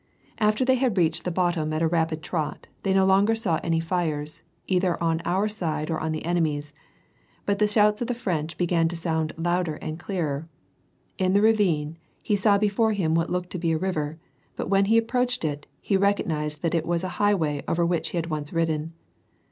After they had reached the bottom at a rapid trot, they no longer saw any fires either on our side or on the enemy's, but the shouts of the French began to sound louder and clearer. In the ravine he saw before him what he took to be a river, but when he approached it, he recognized that it was a high way over which he had once ridden.